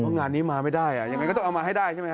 งานนี้มาไม่ได้อ่ะยังไงก็ต้องเอามาให้ได้ใช่ไหมฮ